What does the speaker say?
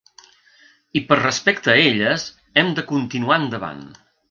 I per respecte a elles, hem de continuar endavant.